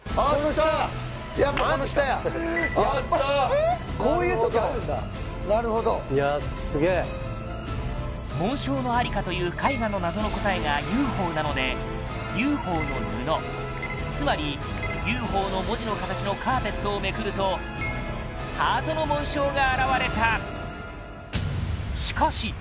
やっぱこの下や・やったなるほどこういうときあるんだなるほどいやすげえ「紋章の在り処」という絵画の謎の答えが「Ｕ．Ｆ．Ｏ」なのでＵ．Ｆ．Ｏの布つまりＵ．Ｆ．Ｏの文字の形のカーペットをめくるとハートの紋章が現れた！